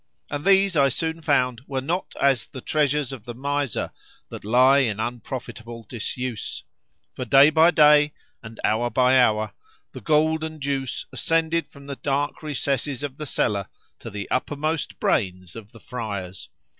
And these I soon found were not as the treasures of the miser, that lie in unprofitable disuse, for day by day, and hour by hour, the golden juice ascended from the dark recesses of the cellar to the uppermost brains of the friars.